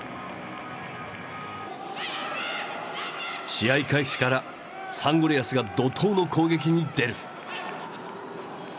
試合開始からサンゴリアスが怒とうの攻撃に出る。